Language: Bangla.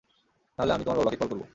নাহলে আমি তোমার বাবাকে কল করবো।